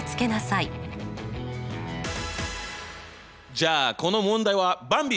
じゃあこの問題はばんび！